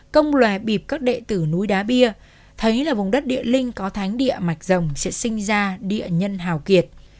công loài bịp các đệ tử núi đá bia thấy là vùng đất địa linh có thánh địa mạch rồng sẽ sinh ra địa nhân hào kiệt